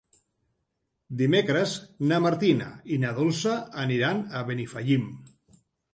Dimecres na Martina i na Dolça aniran a Benifallim.